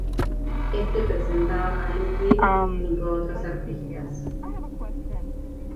Este presentaba a Lou Reed junto a otros artistas.